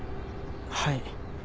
はい。